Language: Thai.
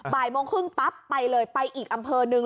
บ่ายโมงครึ่งปั๊บไปเลยไปอีกอำเภอหนึ่ง